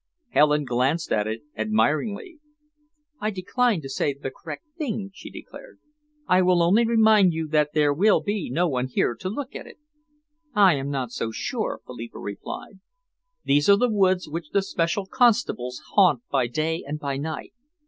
Helen glanced at it admiringly. "I decline to say the correct thing," she declared. "I will only remind you that there will be no one here to look at it." "I am not so sure," Philippa replied. "These are the woods which the special constables haunt by day and by night.